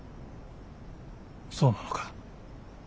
そうなのか。